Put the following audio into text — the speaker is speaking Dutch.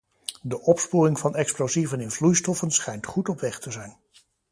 De opsporing van explosieven in vloeistoffen schijnt goed op weg te zijn.